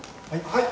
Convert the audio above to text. はい。